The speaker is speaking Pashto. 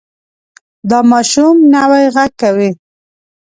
دا ماشوم نوی غږ کوي.